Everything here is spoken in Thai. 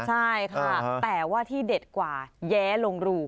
ใช่ค่ะแต่ว่าที่เด็ดกว่าแย้ลงรู